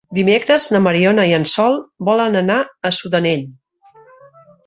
Dimecres na Mariona i en Sol volen anar a Sudanell.